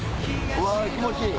うわ気持ちいい！